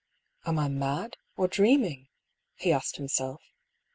" Am I mad, or dreaming ?" he asked himself.